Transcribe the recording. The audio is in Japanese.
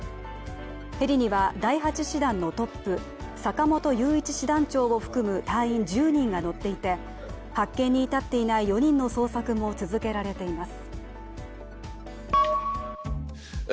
ヘリには第８師団のトップ、坂本雄一師団長を含む隊員１０人が乗っていて、発見に至っていない４人の捜索も続けられています。